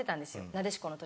なでしこの時。